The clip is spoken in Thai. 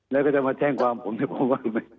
แล้วก็จะมาแช่งความภูมิมา